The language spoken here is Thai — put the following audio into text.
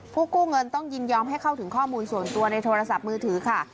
กู้เงินต้องยินยอมให้เข้าถึงข้อมูลส่วนตัวในโทรศัพท์มือถือค่ะ